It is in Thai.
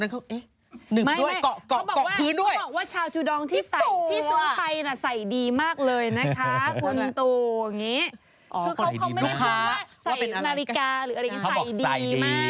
มีชาจุดองใช่มั้ย